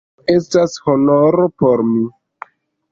Tio estas honoro por mi.